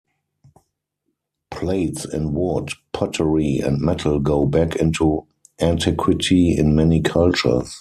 Plates in wood, pottery and metal go back into antiquity in many cultures.